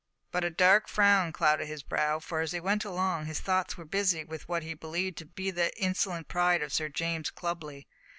But a dark frown clouded his brow, for as he went along his thoughts were busy with what he believed to be the insolent pride of Sir James Clubley.